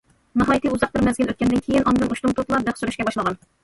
ناھايىتى ئۇزاق بىر مەزگىل ئۆتكەندىن كېيىن، ئاندىن ئۇشتۇمتۇتلا بىخ سۈرۈشكە باشلىغان.